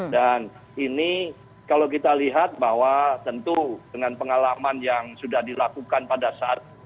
dan ini kalau kita lihat bahwa tentu dengan pengalaman yang sudah dilakukan pada saat